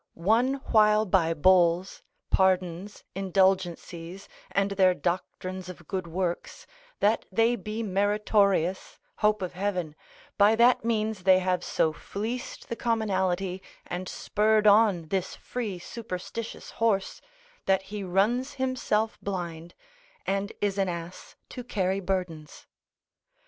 One while by bulls, pardons, indulgencies, and their doctrines of good works, that they be meritorious, hope of heaven, by that means they have so fleeced the commonalty, and spurred on this free superstitious horse, that he runs himself blind, and is an ass to carry burdens.